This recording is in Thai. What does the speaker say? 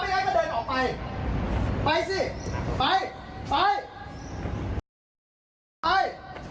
ถ้าไม่งั้นก็เดินออกไปไปสิไปไป